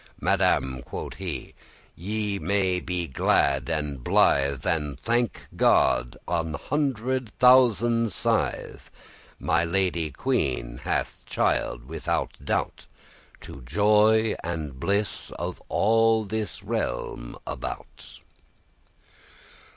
"Madame," quoth he, "ye may be glad and blithe, And thanke God an hundred thousand sithe;* *times My lady queen hath child, withoute doubt, To joy and bliss of all this realm about.